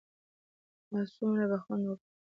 اه څومره به خوند وکړي.